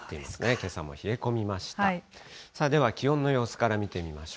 けさも冷え込みました。